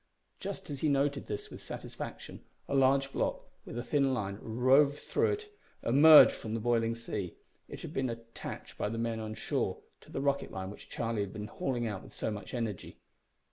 Just as he noted this with satisfaction a large block with a thin line rove through it emerged from the boiling sea. It had been attached by the men on shore to the rocket line which Charlie had been hauling out with so much energy.